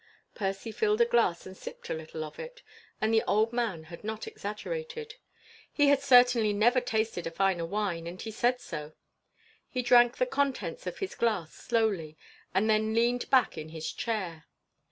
Percy filled a glass and sipped a little of it, and the old man had not exaggerated. He had certainly never tasted a finer wine, and he said so. He drank the contents of his glass slowly, and then leaned back in his chair.